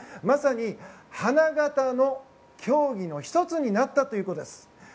まさに花形の競技の１つになったということです。